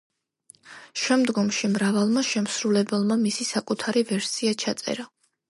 შემდგომში მრავალმა შემსრულებელმა მისი საკუთარი ვერსია ჩაწერა.